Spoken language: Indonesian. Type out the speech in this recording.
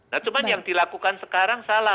nah cuman yang dilakukan sekarang salah